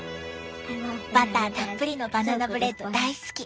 バターたっぷりのバナナブレッド大好き！